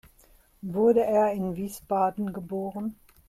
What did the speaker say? Wurde er in Wiesbaden geboren?